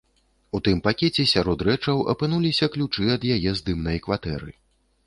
У тым пакеце сярод рэчаў апынуліся ключы ад яе здымнай кватэры.